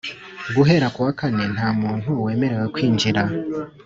Guhera ku wakane nta muntu wemerewe kwinjira